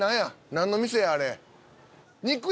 何の店やあれ。